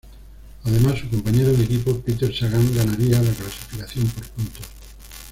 Además su compañero de equipo Peter Sagan ganaría la clasificación por puntos.